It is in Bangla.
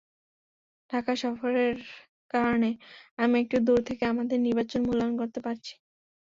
ঢাকা সফরের কারণে আমি একটু দূর থেকে আমাদের নির্বাচন মূল্যায়ন করতে পারছি।